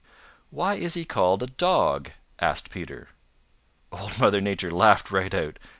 "Why is he called a Dog?" asked Peter. Old Mother Nature laughed right out.